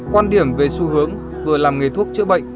quan điểm về xu hướng vừa làm nghề thuốc chữa bệnh